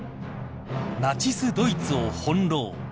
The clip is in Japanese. ［ナチスドイツを翻弄］